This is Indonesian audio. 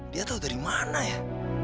dia tahu dari mana ya